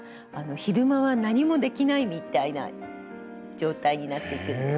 昼間は何もできないみたいな状態になっていくんですね。